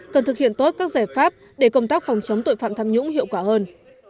cần thực hiện tốt các giải pháp để công tác phòng chống tội phạm tham nhũng hiệu quả hơn